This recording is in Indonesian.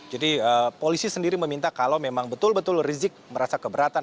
jadi polisi sendiri meminta kalau memang betul betul rizik merasa keberatan